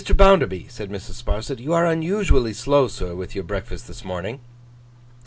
Bounderby,' said Mrs. Sparsit, 'you are unusually slow, sir, with your breakfast this morning.